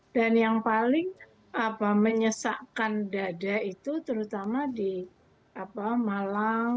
dan yang paling menyesakkan dada itu terutama di malang